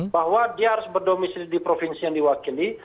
bahwa dia harus berdomisili di provinsi yang diwakili